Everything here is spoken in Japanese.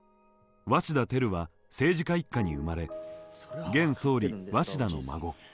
鷲田照は政治家一家に生まれ現総理鷲田の孫。